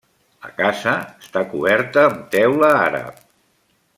La casa està coberta amb teula àrab.